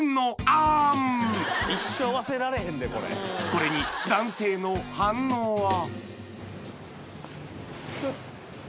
これに男性の反応は？